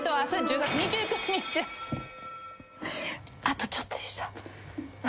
あとちょっとでした。